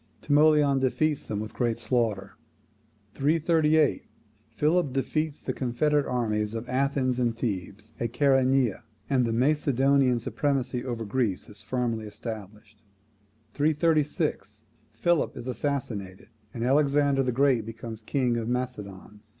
Timoleon defeats them with great slaughter. 338. Philip defeats the confederate armies of Athens and Thebes at Chaeronea, and the Macedonian supremacy over Greece is firmly established. 336. Philip is assassinated, and Alexander the Great becomes king of Macedon.